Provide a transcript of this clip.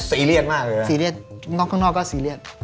ซีเรียสมากเลยซีเรียสนอกข้างนอกก็ซีเรียส